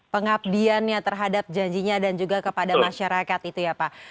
pengabdiannya terhadap janjinya dan juga kepada masyarakat itu ya pak